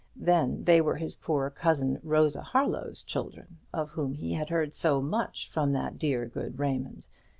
then they were his poor cousin Rosa Harlow's children, of whom he had heard so much from that dear good Raymond?